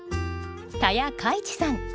田谷嘉一さん